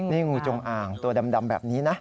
นี่งูจงอ่างตัวดำแบบนี้นะ